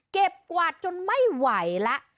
กวาดจนไม่ไหวแล้ว